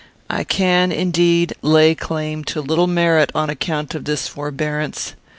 I can, indeed, lay claim to little merit on account of this forbearance.